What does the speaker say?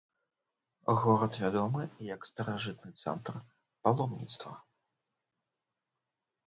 Горад вядомы як старажытны цэнтр паломніцтва.